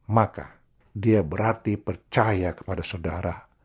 maka dia berarti percaya kepada saudara